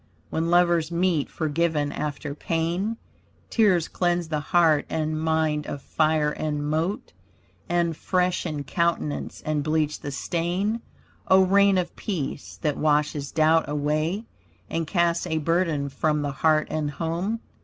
When lovers meet forgiven after pain, Tears cleanse the heart and mind of fire and mote, And freshen countenance and bleach the stain. O rain of peace, that washes doubt away, And casts a burden from the heart and home.